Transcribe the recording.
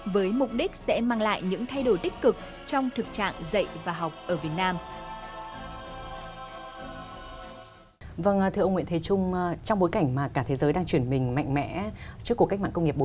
với mục đích sẽ mang lại những thay đổi tích cực